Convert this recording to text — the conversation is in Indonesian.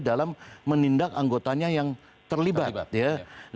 dalam menindak anggotanya yang terlibat ya